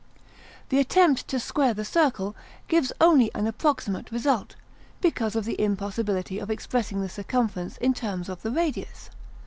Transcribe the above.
The attempt to "square the circle" gives only an approximate result, because of the impossibility of expressing the circumference in terms of the radius.